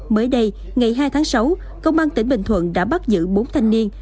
mới đây ngày hai tháng sáu công an tỉnh bình thuận đã bắt giữ bốn thanh niên